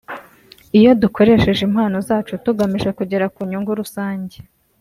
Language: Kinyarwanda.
Iyo dukoresheje impano zacu tugamije kugera ku nyungu rusange